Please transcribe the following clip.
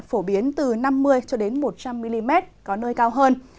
phổ biến từ năm mươi một trăm linh mm có nơi cao hơn